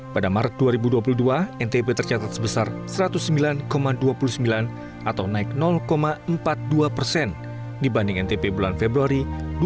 pada maret dua ribu dua puluh dua ntb tercatat sebesar satu ratus sembilan dua puluh sembilan atau naik empat puluh dua persen dibanding ntp bulan februari dua ribu dua puluh